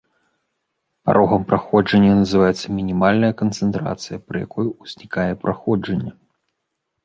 Парогам праходжання называецца мінімальная канцэнтрацыя, пры якой узнікае праходжанне.